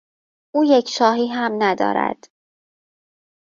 او یک شاهی هم ندارد.